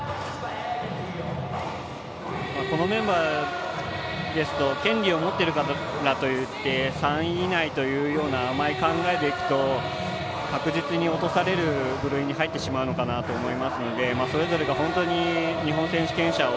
このメンバーですと権利を持っているからといって３位以内というような甘い考えでいくと確実に落とされる部類に入ってしまうと思いますのでそれぞれが本当に日本選手権を